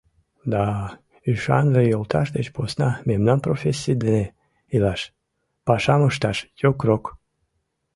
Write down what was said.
Да-а, ӱшанле йолташ деч посна мемнан профессий дене илаш, «пашам ышташ» йокрок.